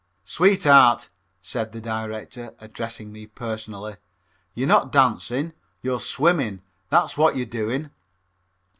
"Sweetheart," said the director, addressing me personally, "you're not dancing. You're swimming, that's what you're doing.